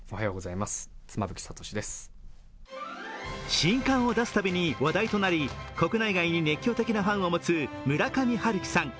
新刊を出す度に話題となり、国内外に熱狂的なファンを持つ村上春樹さん。